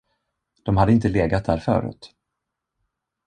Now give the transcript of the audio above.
De hade inte legat där förut.